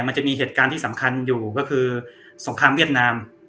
มันจะมีเหตุการณ์ที่สำคัญอยู่ก็คือสงครามเวียดนาม